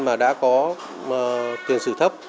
mà đã có tiền sử thấp